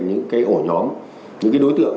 những cái ổ nhóm những cái đối tượng